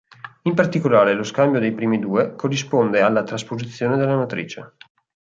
In particolare lo scambio dei primi due corrisponde alla trasposizione della matrice.